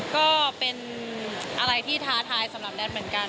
ก็เป็นอะไรที่ท้าทายสำหรับแท็กเหมือนกัน